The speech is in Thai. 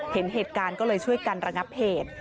เห็นเหตุการณ์ก็เลยช่วยกันระงับเหตุ